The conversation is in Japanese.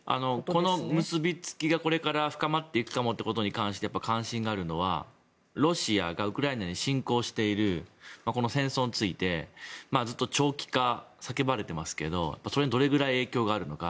この結びつきがこれから深まっていくかもしれないってことに関して関心があるのは、ロシアがウクライナに侵攻しているこの戦争についてずっと長期化が叫ばれてますがそれにどれくらい影響があるのか。